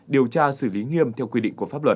điều tra xử lý nghiêm theo quy định của pháp luật